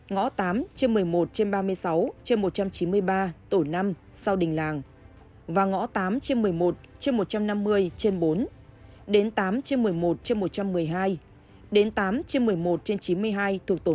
ngõ tám một mươi một trên ba mươi sáu trên một trăm chín mươi ba tổ năm sau đình làng và ngõ tám một mươi một trên một trăm năm mươi trên bốn đến tám trên một mươi một trên một trăm một mươi hai đến tám trên một mươi một trên chín mươi hai thuộc tổ một